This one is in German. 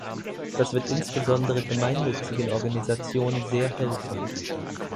Das wird insbesondere gemeinnützigen Organisationen sehr helfen.